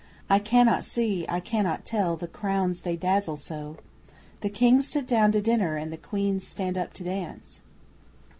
I cannot see I cannot tell the crowns they dazzle so. The Kings sit down to dinner, and the Queens stand up to dance.